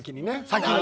先に。